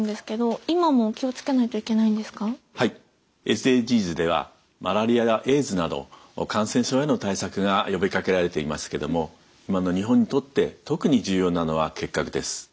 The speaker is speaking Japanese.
ＳＤＧｓではマラリアやエイズなど感染症への対策が呼びかけられていますけども今の日本にとって特に重要なのは結核です。